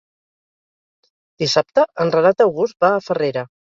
Dissabte en Renat August va a Farrera.